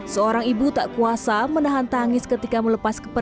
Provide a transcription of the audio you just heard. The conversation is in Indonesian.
seorang ibu tak kuasa menahan tangis ketika melepas kepala